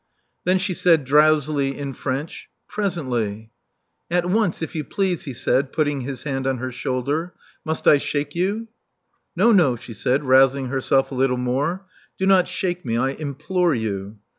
Then she said drowsily, in French, Presently." At once, if you please," he said, putting his hand on her shoulder. Must I shake you?" "No, no," she said, rousing herself a little more. Do not shake me, I implore you."